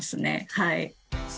はい。